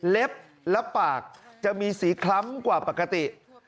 และปากจะมีสีคล้ำกว่าปกติ